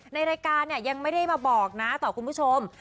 ในรายการเนี่ยยังไม่ได้มาบอกนะต่อคุณผู้ชม